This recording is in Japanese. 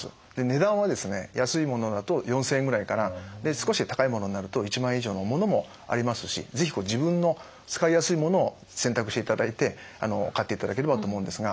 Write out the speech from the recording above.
値段は安いものだと４，０００円ぐらいから少し高いものになると１万円以上のものもありますし是非自分の使いやすいものを選択していただいて買っていただければと思うんですが。